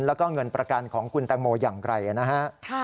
แล้วก็เงินประกันของคุณแตงโมอย่างไรนะฮะ